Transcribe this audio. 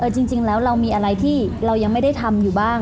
จริงแล้วเรามีอะไรที่เรายังไม่ได้ทำอยู่บ้าง